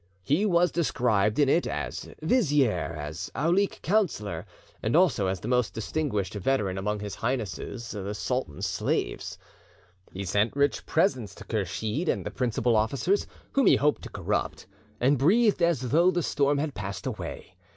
He was described in it as Vizier, as Aulic Councillor, and also as the most distinguished veteran among His Highness the Sultan's slaves. He sent rich presents to Kursheed and the principal officers, whom he hoped to corrupt, and breathed as though the storm had passed away.